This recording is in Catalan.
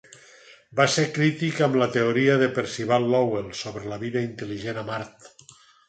Va ser crític amb la teoria de Percival Lowell sobre la vida intel·ligent a Mart.